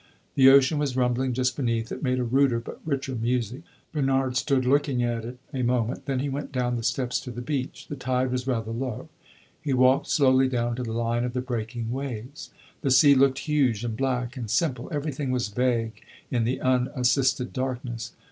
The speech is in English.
The ocean was rumbling just beneath; it made a ruder but richer music. Bernard stood looking at it a moment; then he went down the steps to the beach. The tide was rather low; he walked slowly down to the line of the breaking waves. The sea looked huge and black and simple; everything was vague in the unassisted darkness.